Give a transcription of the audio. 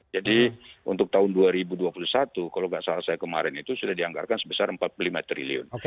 jadi untuk tahun dua ribu dua puluh satu kalau tidak salah saya kemarin itu sudah dianggarkan sebesar empat puluh lima triliun